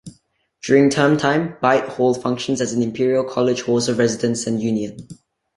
During term-time, Beit Hall functions as an Imperial College Halls of Residence and union.